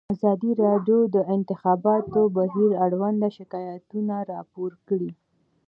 ازادي راډیو د د انتخاباتو بهیر اړوند شکایتونه راپور کړي.